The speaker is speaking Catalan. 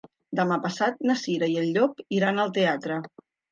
Demà passat na Cira i en Llop iran al teatre.